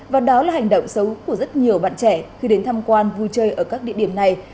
và đó là hành động xấu của rất nhiều bạn trẻ khi đến tham quan vui chơi ở các địa điểm này